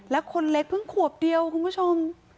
แล้วคนเล็กเพิ่งขวบเดียวคุณผู้ชม